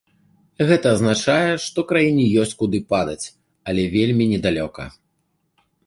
Гэта азначае, што краіне ёсць куды падаць, але вельмі не далёка.